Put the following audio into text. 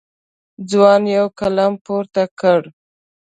ځوان یو قلم پورته کړ.